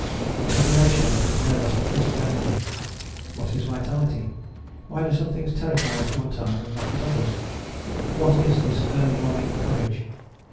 What is the ratio between nervous and physical energy? What is vitality? Why do some things terrify you at one time and not at others? What is this early morning courage?